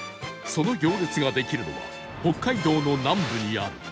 その行列ができるのは北海道の南部にある